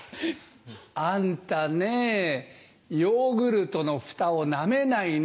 あんたねぇヨーグルトのふたをなめないの。